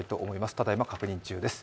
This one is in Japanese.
ただいま確認中です。